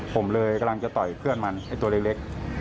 ผมเลยกำลังจะต่อยเพื่อนมันไอ้ตัวเล็ก